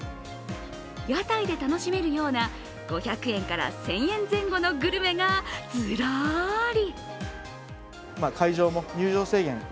屋台で楽しめるような５００円から１０００円前後のグルメがずらーり。